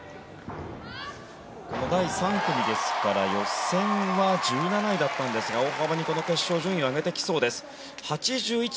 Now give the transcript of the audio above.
第３組ですから予選は１７位だったんですが大幅にこの決勝順位を上げてきそうです。８１．９６４